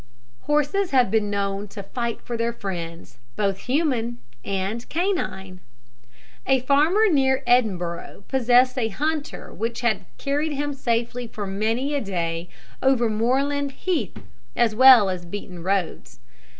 Horses have been known to fight for their friends, both human and canine. A farmer near Edinburgh possessed a hunter which had carried him safely for many a day over moorland heath as well as beaten roads.